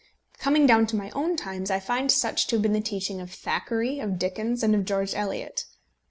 Coming down to my own times, I find such to have been the teaching of Thackeray, of Dickens, and of George Eliot.